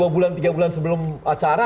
dua bulan tiga bulan sebelum acara